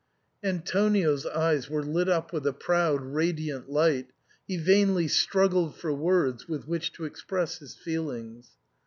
* Antonio's eyes were lit up with a proud, radiant light — he vainly struggled for words with which to express his feelings.